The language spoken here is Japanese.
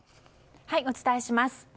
お伝えします。